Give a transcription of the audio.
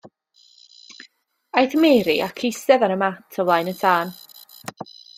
Aeth Mary ac eistedd ar y mat o flaen y tân.